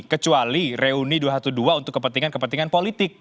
kecuali reuni dua ratus dua belas untuk kepentingan kepentingan politik